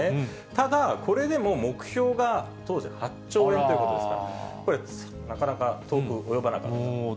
ただ、これでも目標が当時８兆円ということですから、これ、なかなか遠く及ばなかった。